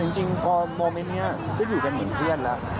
จริงพอโมเมนต์นี้ก็อยู่กันเหมือนเพื่อนแล้ว